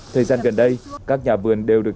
thời gian gần đây các nhà vườn đều được